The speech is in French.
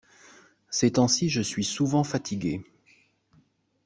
Ces temps-ci je suis souvent fatigué.